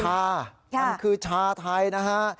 ค่ะมันคือชาไทยนะฮะ